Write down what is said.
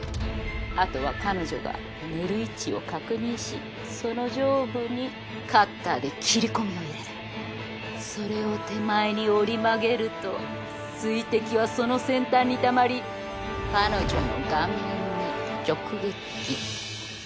あとは彼女が寝る位置を確認しその上部にカッターで切り込みを入れるそれを手前に折り曲げると水滴はその先端にたまり彼女の顔面に直撃。